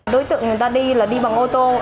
đối tượng người ta đi là đi bằng ô tô